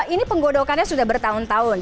ini penggodokannya sudah bertahun tahun